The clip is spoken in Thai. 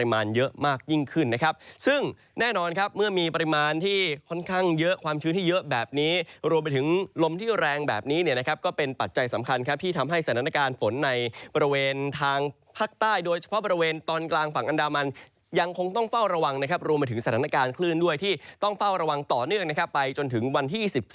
มาเยอะมากยิ่งขึ้นนะครับซึ่งแน่นอนครับเมื่อมีปริมาณที่ค่อนข้างเยอะความชื้นที่เยอะแบบนี้รวมไปถึงลมที่แรงแบบนี้เนี่ยนะครับก็เป็นปัจจัยสำคัญครับที่ทำให้สถานการณ์ฝนในบริเวณทางภาคใต้โดยเฉพาะบริเวณตอนกลางฝั่งอันดามันยังคงต้องเฝ้าระวังนะครับรวมไปถึงสถานการณ์คลื่นด้วยที่ต้องเฝ้าระวังต่อเนื่องนะครับไปจนถึงวันที่๒๓